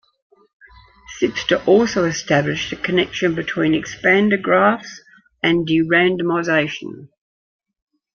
Sipser also established a connection between expander graphs and derandomization.